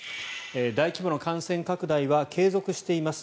大規模な感染拡大は継続しています